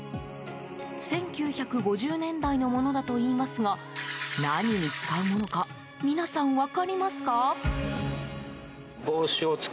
１９５０年代のものだといいますが何に使うものか皆さん、分かりますか？